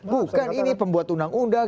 bukan ini pembuat undang undang